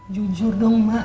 jujur dong mbak